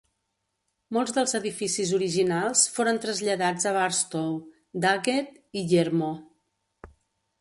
Molts dels edificis originals foren traslladats a Barstow, Daggett i Yermo.